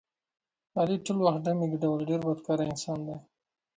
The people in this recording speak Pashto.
علي ټول وخت ډمې ګډولې ډېر بدکاره انسان دی.